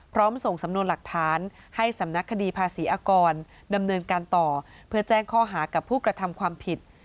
ส่งสำนวนหลักฐานให้สำนักคดีภาษีอากรดำเนินการต่อเพื่อแจ้งข้อหากับผู้กระทำความผิด